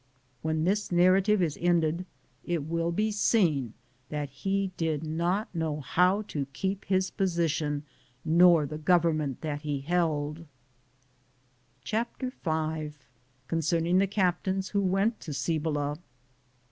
When this narrative is ended, it will be seen that he did not know how to keep his position nor the government that he held. > am Google THE JOUBNEY OF C080NADO CHAPTER V Concerning the captains who went to Cibola.